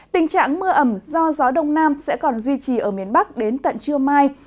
tình trạng mưa ẩm do gió đông nam sẽ còn duy trì ở miền bắc đến tận trưa mai